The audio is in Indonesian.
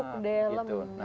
akhirnya menumpuk deh lemak